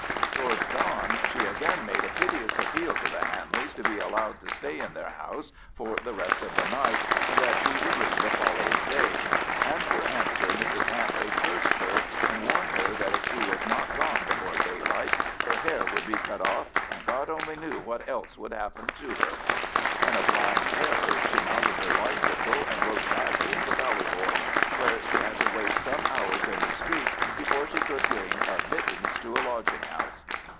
Towards dawn she again made a piteous appeal to the Hanleys to be allowed to stay in their house for the rest of the night, and that she would leave the following day; and for answer Mrs Hanley cursed her, and warned her that if she was not gone before daylight her hair would be cut off, and "God only knew what else would happen to her." In a blind terror she mounted her bicycle and rode madly into Ballybor, where she had to wait some hours in the streets before she could gain admittance to a lodging house.